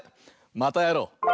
またやろう！